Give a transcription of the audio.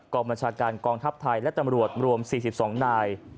บัญชาการกองทัพไทยและตำรวจรวม๔๒นาย